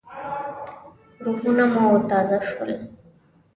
روحونه مو تازه شول.